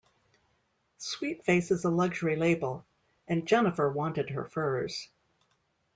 Sweetface is a luxury label, and Jennifer wanted her furs.